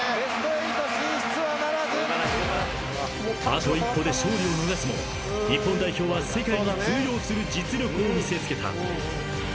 ［あと一歩で勝利を逃すも日本代表は世界に通用する実力を見せつけた］